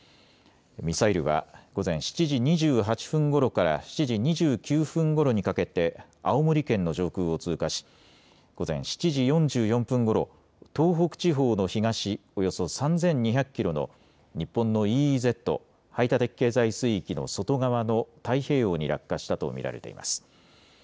ミサイルは午前７時２８分ごろから７時２９分ごろにかけて青森県の上空を通過し午前７時４４分ごろ、東北地方の東およそ３２００キロの日本のＥＥＺ・排他的経済水域の外側の太平洋に落下したと見られています。